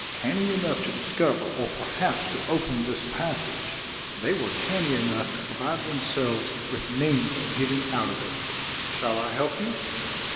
"Canny enough to discover or perhaps to open this passage, they were canny enough to provide themselves with means of getting out of it. Shall I help you?"